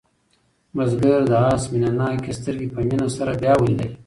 بزګر د آس مینه ناکې سترګې په مینه سره بیا ولیدلې.